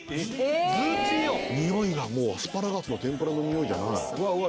ズーチーをにおいがもうアスパラガスの天ぷらのにおいじゃない・うわうわ